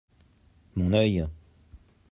Mon œil !